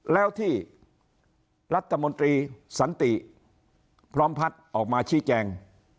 แล้วที่รัฐมนตรีสันติพร้อมพัฒน์ออกมาชี้แจง